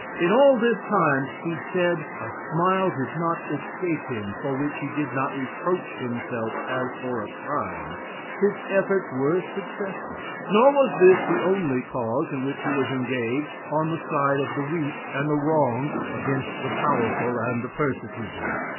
In all this time, he said, a smile did not escape him for which he did not reproach himself as for a crime. His efforts were successful. Nor was this the only cause in which he was engaged on the side of the weak and the wronged against the powerful and the persecuting.